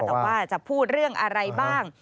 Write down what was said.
แต่ว่าจะพูดเรื่องอะไรบ้าง